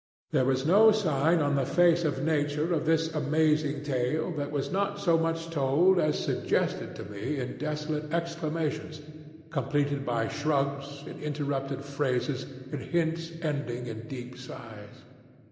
There was no sign on the face of nature of this amazing tale that was not so much told as suggested to me in desolate exclamations, completed by shrugs, in interrupted phrases, in hints ending in deep sighs.